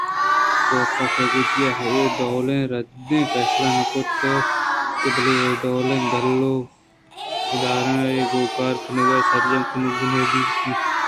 کاف ءَ کدی اے ڈولیں ردیں فیصلہ نہ کُتگ اَت بلئے اے ڈولیں گل ءُ ادارہ ئے ءَ گوں کار کنگ سرجم ءَ گنوکی اَت